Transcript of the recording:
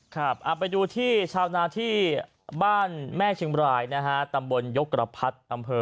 ครับเอาไปดูที่ชาวนาที่บ้านแม่เชียงบรายนะฮะตำบลยกกระพัดอำเภอ